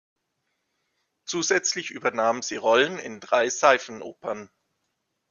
Zusätzlich übernahm sie Rollen in drei Seifenopern.